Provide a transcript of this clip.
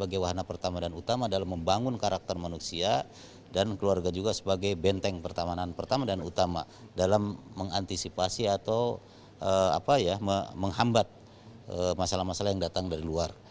sebagai wahana pertama dan utama dalam membangun karakter manusia dan keluarga juga sebagai benteng pertama dan utama dalam mengantisipasi atau menghambat masalah masalah yang datang dari luar